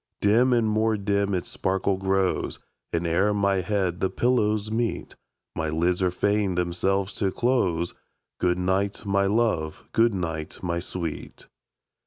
Dim and more dim its sparkle grows, And ere my head the pillows meet, My lids are fain themselves to close. Good night, my love! good night, my sweet!